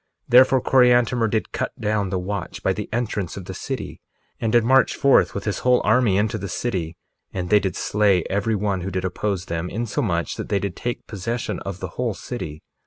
1:20 Therefore Coriantumr did cut down the watch by the entrance of the city, and did march forth with his whole army into the city, and they did slay every one who did oppose them, insomuch that they did take possession of the whole city.